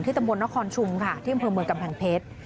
ที่ตำรวจนครชุมค่ะที่บริเวณกำแพงเพชร